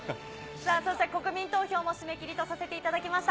さあ、そして国民投票も締め切りとさせていただきました。